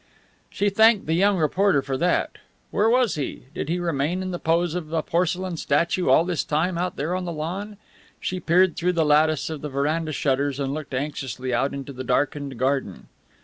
She thanked the young reporter for that. Where was he? Did he remain in the pose of a porcelain statue all this time out there on the lawn? She peered through the lattice of the veranda shutters and looked anxiously out into the darkened garden.